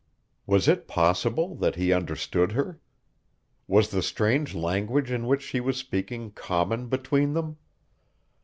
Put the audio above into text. Was it possible that he understood her? Was the strange language in which she was speaking common between them!